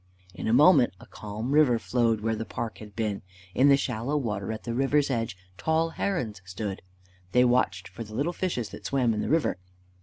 In a moment a calm river flowed where the park had been. In the shallow water at the river's edge tall herons stood. They watched for the little fishes that swam in the river.